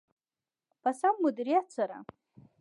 په سم مدیریت سره.